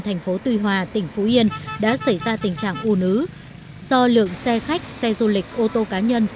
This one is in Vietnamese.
thành phố tuy hòa tỉnh phú yên đã xảy ra tình trạng u nứ do lượng xe khách xe du lịch ô tô cá nhân